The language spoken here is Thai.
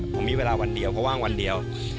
ผมมีเวลาวันเดียวเพราะว่างวันเดียว